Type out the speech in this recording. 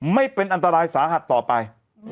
ไม่เป็นอันตรายสาหัสต่อไป